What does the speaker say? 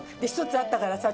１つあったからさ